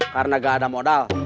karena gak ada modal